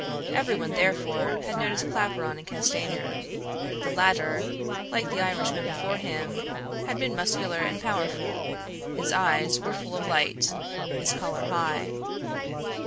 Everyone, therefore, had noticed Claparon and Castanier. The latter (like the Irishman before him) had been muscular and powerful, his eyes were full of light, his color high.